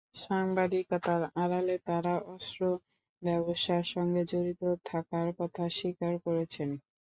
সাংবাদিকতার আড়ালে তাঁরা অস্ত্র ব্যবসার সঙ্গে জড়িত থাকার কথা স্বীকার করেছেন।